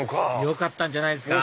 よかったんじゃないですか？